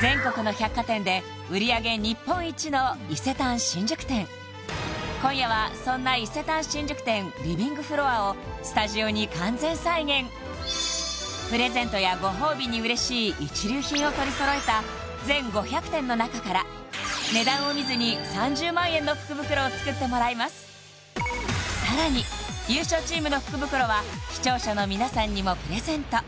全国の百貨店で売り上げ日本一の伊勢丹新宿店今夜はそんな伊勢丹新宿店リビングフロアをスタジオに完全再現プレゼントやご褒美に嬉しい一流品を取り揃えた全５００点の中からの福袋を作ってもらいますさらに優勝チームの福袋は視聴者の皆さんにもプレゼント